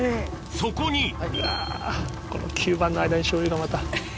そこにこの吸盤の間にしょう油がまた。